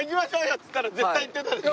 っつったら絶対行ってたでしょ？